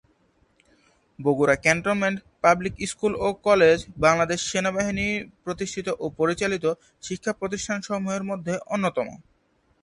Bogura cantonment public school ও college Bangladesh সেনাবাহিনী প্রতিষ্ঠিত ও পরিচালিত শিক্ষা প্রতিষ্ঠানসমূহের মধ্যে অন্যতম।